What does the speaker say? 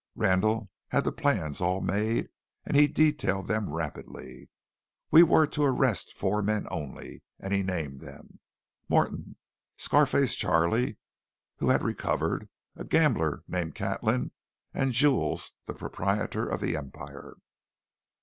Randall had the plans all made, and he detailed them rapidly. We were to arrest four men only, and he named them Morton, Scar face Charley, who had recovered, a gambler named Catlin, and Jules, the proprietor of the Empire.